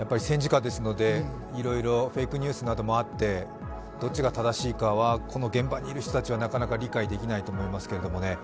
戦時下ですので、いろいろフェイクニュースなどもあって、どっちが正しいかは、この現場にいる人たちは理解できないと思いますけれども。